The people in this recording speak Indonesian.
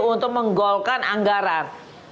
untuk menggolkan anggaran